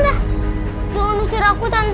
jangan usir aku tante